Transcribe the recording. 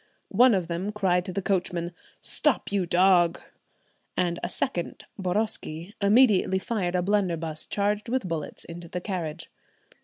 One of them cried to the coachman, "Stop, you dog!" and a second, Boroski, immediately fired a blunderbuss charged with bullets into the carriage.